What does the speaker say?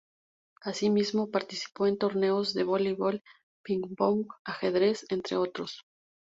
Asimismo participó en torneos de voleibol, pingpong, ajedrez, entre otros.